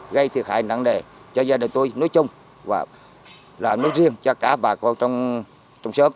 gây thiệt hại nặng nề cho gia đình tôi nói chung và là nói riêng cho cả bà con trong xóm